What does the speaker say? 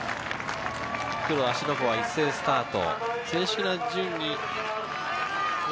復路芦ノ湖一斉スタート。